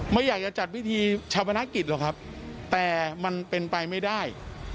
ไม่อยากจะจัดพิธีชาวพนักกิจหรอกครับแต่มันเป็นไปไม่ได้